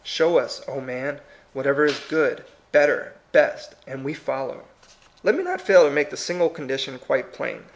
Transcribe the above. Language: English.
Show us, O man! whatever i^ good, better, best, — and we follow. Let me not fail to make the single con dition quite plain.